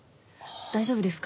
大丈夫ですか？